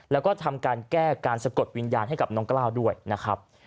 แล้วก็ทำการแก้การสะกดวิญญาณให้กับน้องกล้าวด้วยนะครับ